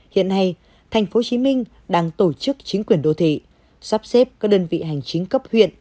hiện nay tp hcm đang tổ chức chính quyền đô thị sắp xếp các đơn vị hành chính cấp huyện